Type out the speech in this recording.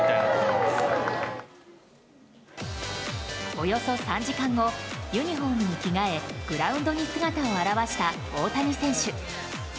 およそ３時間後ユニホームに着替えグラウンドに姿を現した大谷選手。